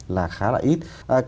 là khá là ít